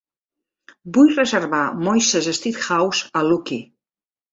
Vull reservar Moishes Steakhouse a Lucky.